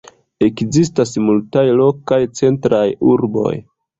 Ekzistas multaj lokaj centraj urboj.